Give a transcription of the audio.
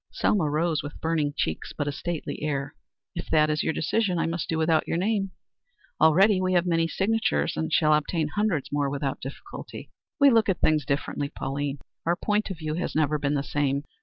Selma rose with burning cheeks, but a stately air. "If that is your decision, I must do without your name. Already we have many signatures, and shall obtain hundreds more without difficulty. We look at things differently, Pauline. Our point of view has never been the same.